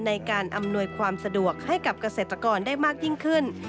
ในการอำนวยความสะดวกให้กับเกษตรกรได้มากยิ่งขึ้น